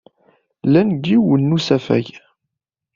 Llan deg yiwen n usafag.